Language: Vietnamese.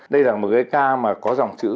đây là một cái ca mà có dòng chữ